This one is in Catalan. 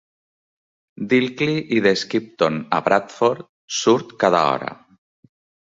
D'Ilkley i de Skipton a Bradford surt cada hora.